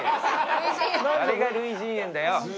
誰が類人猿だよ。